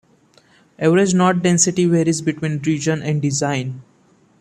Average knot density varies between region and design.